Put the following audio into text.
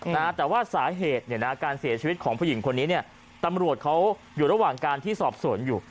นะฮะแต่ว่าสาเหตุเนี่ยนะการเสียชีวิตของผู้หญิงคนนี้เนี่ยตำรวจเขาอยู่ระหว่างการที่สอบสวนอยู่